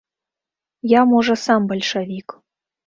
Я, можа, сам бальшавік.